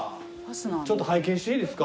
ちょっと拝見していいですか？